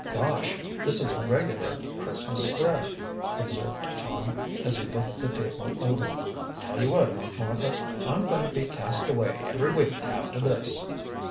"Gosh! this is a regular Christmas spread!" observed Tom, as he looked the table over. "Tell you what, Aunt Martha, I'm going to be cast away every week after this."